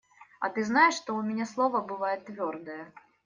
А ты знаешь, что у меня слово бывает твердое?